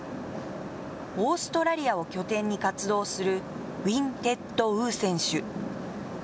オーストラリアを拠点に活動するウィン・テット・ウー選手。